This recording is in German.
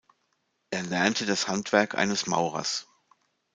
Er lernte das Handwerk eines Maurers.